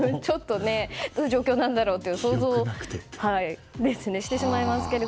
どういう状況だろうと想像してしまいますが。